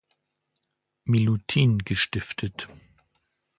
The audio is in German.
Milutin gestiftet.